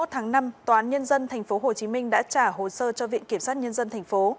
tháng năm tòa án nhân dân tp hcm đã trả hồ sơ cho viện kiểm sát nhân dân tp